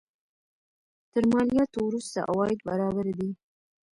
تر مالیاتو وروسته عواید برابر دي.